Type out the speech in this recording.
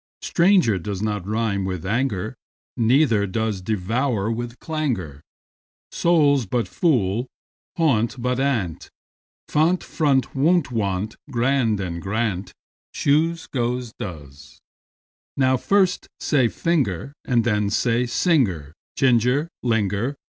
Stranger does not rime with anger, Neither does devour with clangour. Soul, but foul and gaunt, but aunt; Font, front, wont; want, grand, and, grant, Shoes, goes, does.) Now first say: finger, And then: singer, ginger, linger.